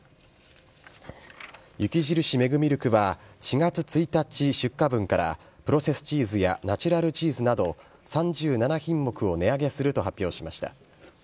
雪印メグミルクは、４月１日出荷分から、プロセスチーズやナチュラルチーズなど３７品目を値上げすると発表しました。